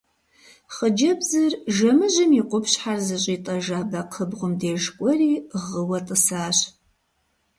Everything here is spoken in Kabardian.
Хъыджэбзыр жэмыжьым и къупщхьэр зыщӀитӀэжа бэкхъыбгъум деж кӀуэри гъыуэ тӀысащ.